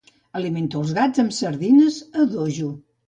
Alimento els gats amb sardines a dojo.